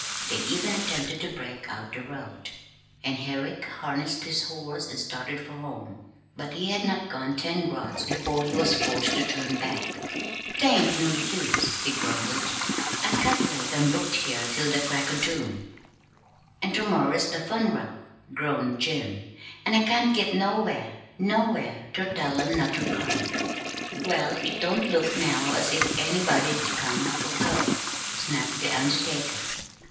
They even attempted to break out the road, and Herrick harnessed his horse and started for home; but he had not gone ten rods before he was forced to turn back. "'T ain't no use," he grumbled. "I calc'late I'm booked here till the crack o' doom!" "An' ter morrer's the fun'ral," groaned Jim. "An' I can't git nowhere nowhere ter tell 'em not ter come!" "Well, it don't look now as if anybody'd come or go," snapped the undertaker.